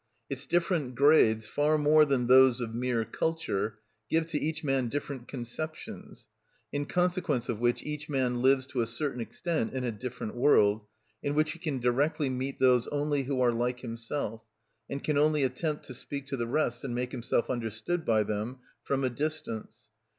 Its different grades, far more than those of mere culture, give to each man different conceptions, in consequence of which each man lives to a certain extent in a different world, in which he can directly meet those only who are like himself, and can only attempt to speak to the rest and make himself understood by them from a distance.